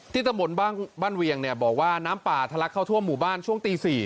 ตำบลบ้านเวียงเนี่ยบอกว่าน้ำป่าทะลักเข้าทั่วหมู่บ้านช่วงตี๔